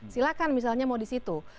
silahkan misalnya mau di situ